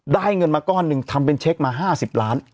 เงินมาก้อนหนึ่งทำเป็นเช็คมา๕๐ล้าน